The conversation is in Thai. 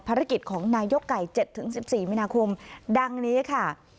ภารกิจของนายก่ายเจ็ดถึงสิบสี่มีนาคมดังนี้ค่ะ